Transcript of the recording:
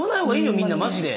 みんなマジで。